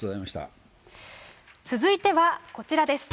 続いてはこちらです。